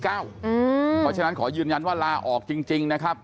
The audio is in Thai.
เพราะฉะนั้นขอยืนยันว่าลาออกจริงนะครับ